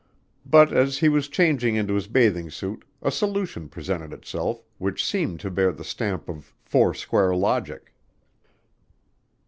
But as he was changing into his bathing suit a solution presented itself which seemed to bear the stamp of four square logic.